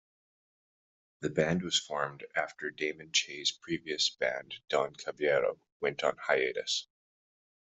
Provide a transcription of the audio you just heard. The band was formed after Damon Che's previous band Don Caballero went on hiatus.